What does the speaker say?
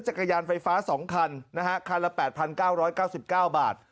จักรยานไฟฟ้าสองคันนะฮะคันละแปดพันเก้าร้อยเก้าสิบเก้าบาท